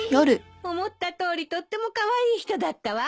思ったとおりとってもカワイイ人だったわ。